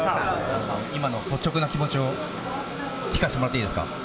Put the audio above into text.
今の率直な気持ちを聞かせてもらっていいですか。